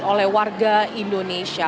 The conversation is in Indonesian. oleh warga indonesia